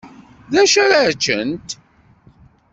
Dacu ara ččent?